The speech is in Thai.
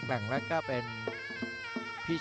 ฮีวอร์เป็นฮีวอร์เป็นฮีวอร์